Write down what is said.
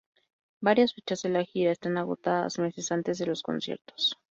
Varias fechas de la gira están agotadas meses antes de los conciertos.